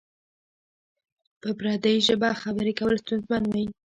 په پردۍ ژبه خبری کول ستونزمن وی؟